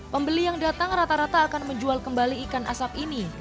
pembeli yang datang rata rata akan menjual kembali ikan asap ini